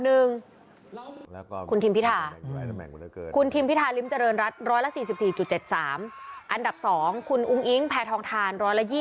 แล้วก็คุณทิมพิธาคุณทิมพิธาริมเจริญรัฐ๑๔๔๗๓อันดับ๒คุณอุ้งอิ๊งแพทองทาน๑๒๐